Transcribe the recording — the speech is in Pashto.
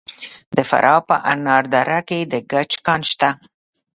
د فراه په انار دره کې د ګچ کان شته.